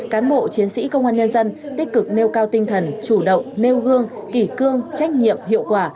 cán bộ chiến sĩ công an nhân dân tích cực nêu cao tinh thần chủ động nêu gương kỳ cương trách nhiệm hiệu quả